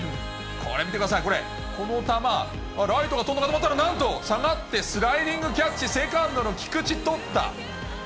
これ見てください、これ、この球、ライトが飛んだと思ったら下がってスライディングキャッチ、セカンドの菊池、取った。